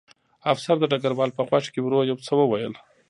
افسر د ډګروال په غوږ کې ورو یو څه وویل